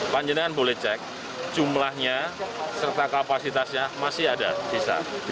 panjenengan boleh cek jumlahnya serta kapasitasnya masih ada bisa